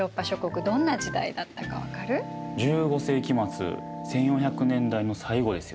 １５世紀末１４００年代の最後ですよね。